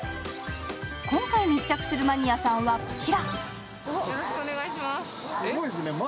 今回、密着するマニアさんはこちら。